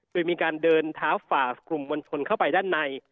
โดยมีการเดินเท้าฝ่ากลุ่มมวลชนเข้าไปด้านใน